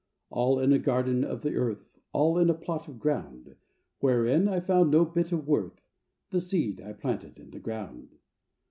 All in a garden of the earth, All in a plot of ground, Wherein I found no bit of worth, The seed I planted in the ground.